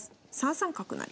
３三角成。